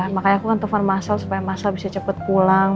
makanya aku kan telfon masal supaya masal bisa cepet pulang